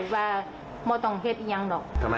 ว่าเมาตองเผชเรียงแหละ